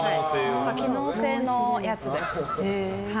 機能性のやつです。